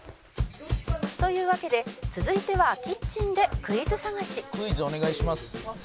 「というわけで続いては「クイズお願いします」